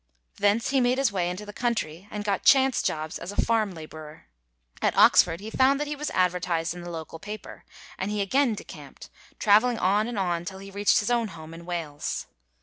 Thence he made his way into the country and got chance jobs as a farm labourer. At Oxford he found that he was advertised in the local paper, and he again decamped, travelling on and on till he reached his own home in Wales.